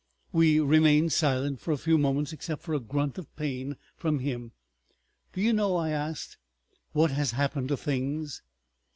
We remained silent for few moments except for a grunt of pain from him. "Do you know?" I asked, "what has happened to things?"